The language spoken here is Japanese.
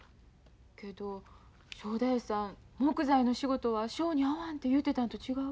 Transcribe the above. けど正太夫さん木材の仕事は性に合わんて言うてたんと違う？